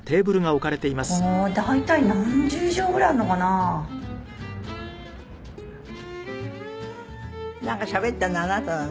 「大体何十畳ぐらいあるのかな？」なんかしゃべってるのあなたなの？